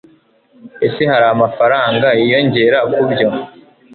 Ese hari amafaranga yinyongera kubyo?